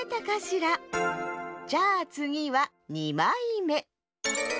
じゃあつぎは２まいめ。